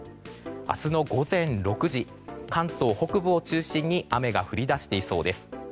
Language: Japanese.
明日の午前６時関東北部を中心に雨が降り出していそうです。